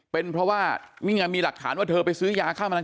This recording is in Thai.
เป็นเพราะว่านี่ไงมีหลักฐานว่าเธอไปซื้อยาฆ่าแมลง